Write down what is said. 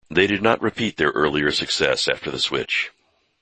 They did not repeat their earlier success after the switch.